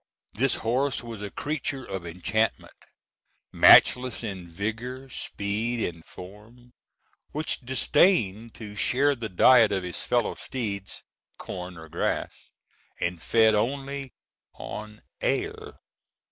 This horse was a creature of enchantment, matchless in vigor, speed, and form, which disdained to share the diet of his fellow steeds, corn or grass, and fed only on air.